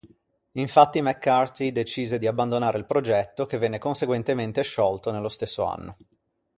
Infatti McCarty decise di abbandonare il progetto, che venne conseguentemente sciolto nello stesso anno.